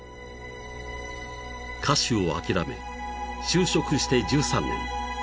［歌手を諦め就職して１３年］